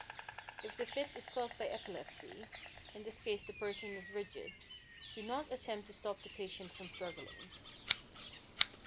If the fit is caused by epilepsy (in this case the person is rigid), do not attempt to stop the patient from struggling.